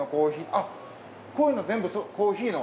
あっこういうの全部コーヒーの。